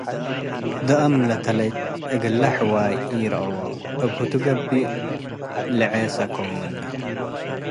ደአም ለተለች እግል ለሕዋይ ኢረአዎ'፣ እብ ህቱ ገብ'እ ሌዐ ሰከው ምነ።